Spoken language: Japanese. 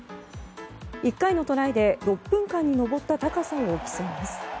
１回のトライで６分間に登った高さを競います。